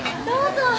どうぞ。